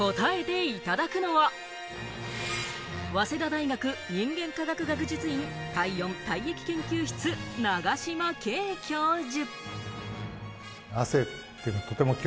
答えていただくのは、早稲田大学人間科学学術院、体温・体液研究室・永島計教授。